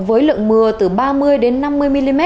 với lượng mưa từ ba mươi năm mươi mm